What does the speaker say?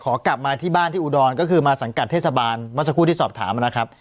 กลับมาที่บ้านที่อุดรก็คือมาสังกัดเทศบาลเมื่อสักครู่ที่สอบถามนะครับ